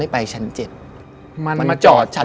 ไม่ไปชั้น๗มันจอดชั้นหก